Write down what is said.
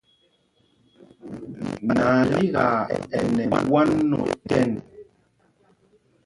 Nalíkaa ɛ nɛ ɓwán otɛn.